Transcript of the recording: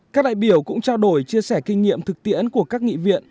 các đại biểu cũng trao đổi chia sẻ kinh nghiệm thực tiễn của các nghị viện